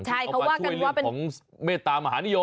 ใช่เขากำลังช่วยเรื่องของเมตตามหานิยม